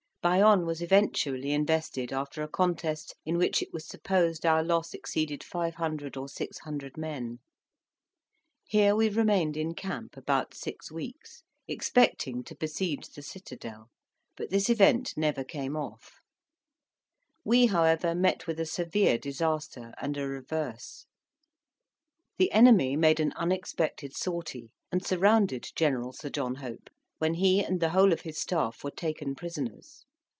Bayonne was eventually invested after a contest, in which it was supposed our loss exceeded 500 or 600 men. Here we remained in camp about six weeks, expecting to besiege the citadel; but this event never came off: we, however, met with a severe disaster and a reverse. The enemy made an unexpected sortie, and surrounded General Sir John Hope, when he and the whole of his staff were taken prisoners.